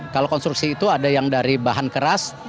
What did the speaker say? kalau konstruksi itu ada yang dari bahan keras